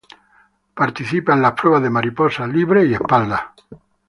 Participa en las pruebas de mariposa, libres y espalda.